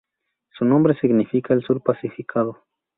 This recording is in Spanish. Su nombre significa "el Sur pacificado".